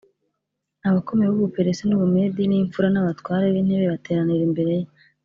abakomeye b’u Buperesi n’u Bumedi n’imfura n’abatware b’intebe bateranira imbere ye